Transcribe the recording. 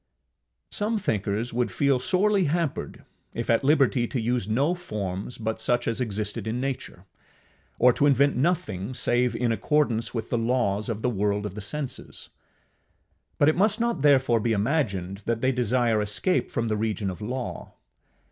Some thinkers would feel sorely hampered if at liberty to use no forms but such as existed in nature, or to invent nothing save in accordance with the laws of the world of the senses; but it must not therefore be imagined that they desire escape from the region of law.